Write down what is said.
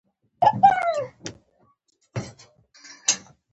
خوب د وجود استراحت ته مهم دی